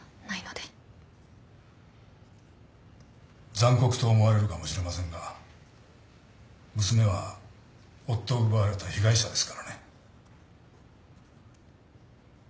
残酷と思われるかもしれませんが娘は夫を奪われた被害者ですからね。